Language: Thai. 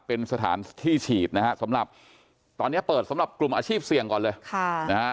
เป็นสถานที่ฉีดนะฮะตอนนี้เปิดสำหรับกลุ่มอาชีพเสี่ยงก่อนเลย